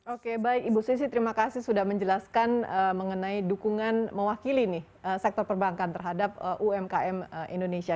oke baik ibu sesi terima kasih sudah menjelaskan mengenai dukungan mewakili sektor perbankan terhadap umkm indonesia